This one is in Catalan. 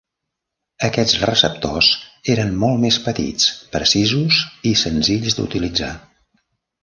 Aquests receptors eren molt més petits, precisos i senzills d'utilitzar.